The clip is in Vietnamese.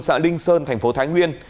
xã linh sơn thành phố thái nguyên